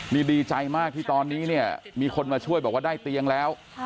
นี่ดีใจมากที่ตอนนี้เนี่ยมีคนมาช่วยบอกว่าได้เตียงแล้ว